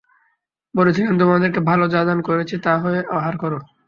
বলেছিলাম, তোমাদেরকে ভাল যা দান করেছি তা হতে আহার কর।